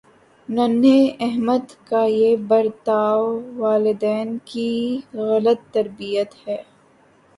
ننھے احمد کا یہ برتا والدین کی غلط تربیت ہے